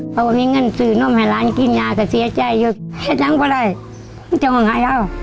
เพราะว่ามีเงินสื่อนมให้หลานกินยาก็เสียใจเยอะ